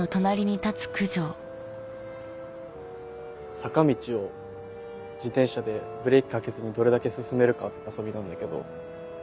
坂道を自転車でブレーキかけずにどれだけ進めるかって遊びなんだけど。